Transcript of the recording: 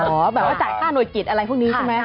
เหรอแบบว่าจ่ายค้าโนยกิจอะไรพวกนี้ใช่ไหม